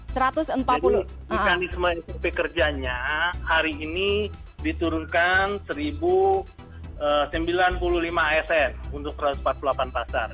jadi ikan isma smp kerjanya hari ini diturunkan satu sembilan puluh lima asn untuk satu ratus empat puluh delapan pasar